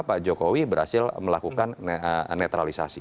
pak jokowi berhasil melakukan netralisasi